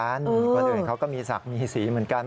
เพราะเดินเขาก็มีสักมีสีเหมือนกัน